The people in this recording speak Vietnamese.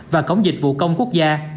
và cống dịch vụ công quốc gia